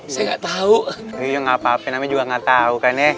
saya nggak tau